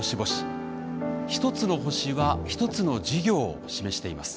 １つの星は１つの事業を示しています。